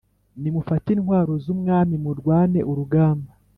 Nimufate intwaro zumwami murwane urugamba